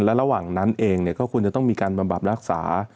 และระหว่างนั้นเองก็ควรจะต้องมีการบำบัดรักษา